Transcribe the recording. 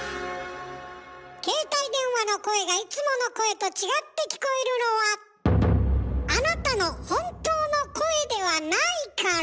携帯電話の声がいつもの声と違って聞こえるのはあなたの本当の声ではないから。